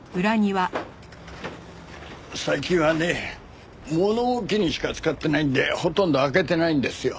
最近はね物置にしか使ってないんでほとんど開けてないんですよ。